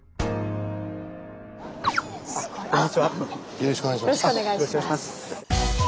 よろしくお願いします。